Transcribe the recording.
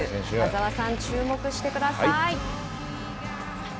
中澤さん、注目してください。